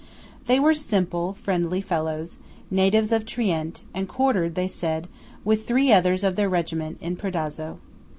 They were simple, friendly fellows, natives of Trient, and quartered, they said, with three others of their regiment, in Predazzo.